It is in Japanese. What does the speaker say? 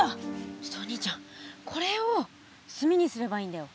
ちょっとお兄ちゃんこれを炭にすればいいんだよ。